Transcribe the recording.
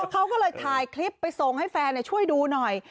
เขาก็เลยถ่ายคลิปไปส่งให้แฟนช่วยดูหน่อย